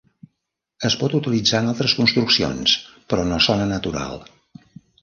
Es pot utilitzar en altres construccions, però no sona "natural".